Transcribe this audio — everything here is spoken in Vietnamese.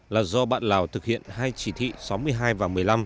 là do bạn lào thực hiện hai chỉ thị sáu mươi hai và một mươi năm